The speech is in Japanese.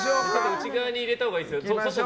内側に入れたほうがいいですよ。